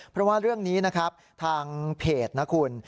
เพราะว่าเรื่องนี้นะครับทางเพจนะคุณ